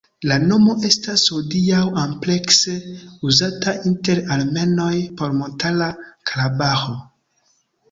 La nomo estas hodiaŭ amplekse uzata inter armenoj por Montara Karabaĥo.